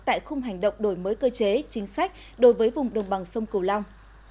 tại khung hành động đổi mới cơ chế chính sách đối với vùng đồng bằng sông cửu long